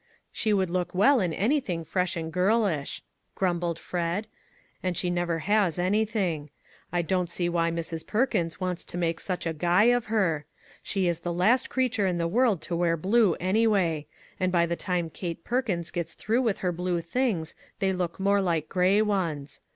" She would look well in anything fresh and girlish," grumbled Fred, " and she never has anything. I don't see why Mrs. Perkins wants to make such a guy of her. She is the last creature in the world to wear blue, anyway ; and by the time Kate Perkins gets through with her bjue things they look more like grey ones.